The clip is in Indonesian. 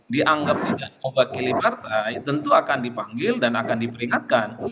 dianggap tidak mewakili partai tentu akan dipanggil dan akan diperingatkan